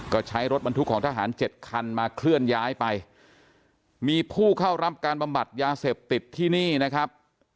ก็ใช้รถบรรทุกของทหารเจ็ดคันมาเคลื่อนย้ายไปมีผู้เข้ารับการบำบัดยาเสพติดที่นี่นะครับ